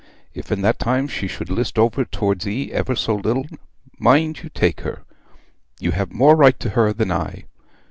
If in that time she should list over towards ye ever so little, mind you take her. You have more right to her than I.